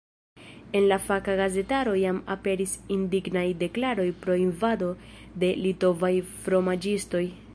En la faka gazetaro jam aperis indignaj deklaroj pro invado de litovaj fromaĝistoj.